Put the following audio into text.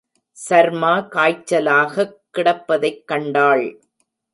சர்மா காய்ச்சலாகக் கிடப்பதைக் கண்டாள்.